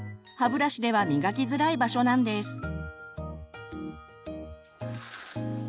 歯ブラシでは磨きづらい場所なんです。